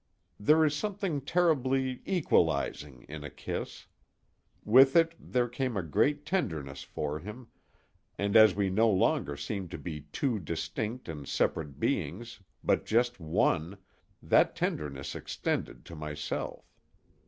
There is something terribly equalizing in a kiss. With it, there came a great tenderness for him, and as we no longer seemed to be two distinct and separate beings, but just one, that tenderness extended to myself.